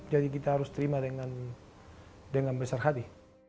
jadi kita harus terima dengan besar hati